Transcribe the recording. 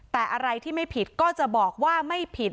แต่อะไรที่ไม่ผิดก็จะบอกว่าไม่ผิด